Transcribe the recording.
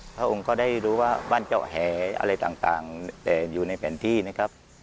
พระองค์ก็ได้รู้ว่าบ้านเจาะแหอะไรต่างแต่อยู่ในแผนที่นะครับ